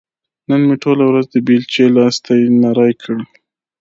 نن مې ټوله ورځ د بېلچې لاستي نري کړ.